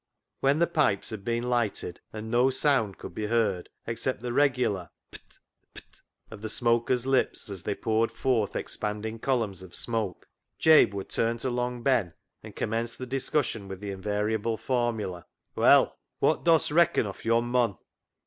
When the pipes had been lighted, and no sound could be heard except the regular p't, p't of the smokers' lips as they poured forth expanding columns of smoke, Jabe would turn to Long Ben and commence the discussion with the invariable formula —" Well, wot dost reacon off yon mon